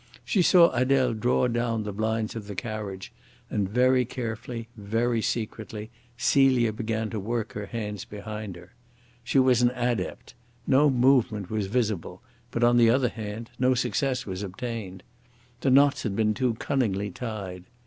She saw Adele draw down the blinds of the carriage, and very carefully, very secretly, Celia began to work her hands behind her. She was an adept; no movement was visible, but, on the other hand, no success was obtained. The knots had been too cunningly tied.